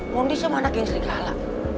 mondes sama anak yang serigala